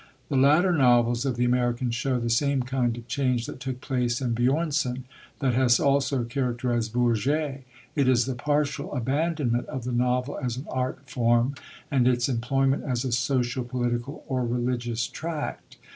The latter novels of the American show the same kind of change that took place in Björnson, that has also characterised Bourget; it is the partial abandonment of the novel as an art form, and its employment as a social, political, or religious tract.